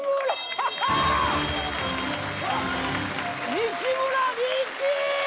西村リーチ！